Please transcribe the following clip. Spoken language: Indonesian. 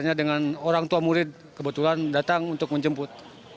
hanya dengan orang tua murid kebetulan datang untuk menjemput